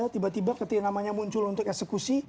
tiba tiba ketika namanya muncul untuk eksekusi